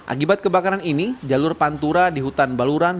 akibat kebakaran ini jalur pantura di hutan baluran